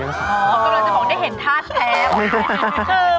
เราต้องจะบอกได้เห็นทาสแท็ป